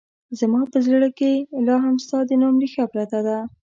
زما په زړه کې لا هم ستا د نوم رېښه پرته ده